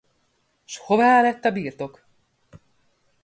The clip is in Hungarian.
S hová lett a birtok?